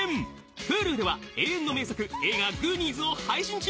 Ｈｕｌｕでは永遠の名作映画『グーニーズ』を配信中